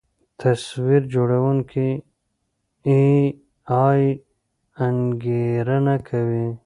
تصویر جوړوونکی اې ای انګېرنه کوي.